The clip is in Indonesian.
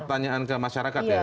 pertanyaan ke masyarakat ya